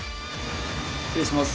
失礼します。